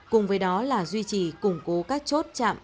cùng với đó là duy trì củng cố các chốt chạm